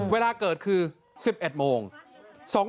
เวลาเกิดคือ๑๑โมง